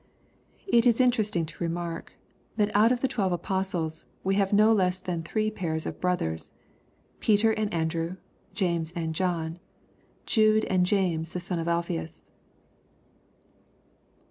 It is interesting to remark, that out of the twelve apostles, wo have no less than three pairs of brothers, Peter and Andrew, James and John, and Jude and James the son of Alphaeus.